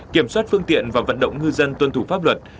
kiểm soát phương tiện và vận động ngư dân tuân thủ pháp luật